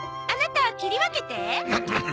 あなた切り分けて。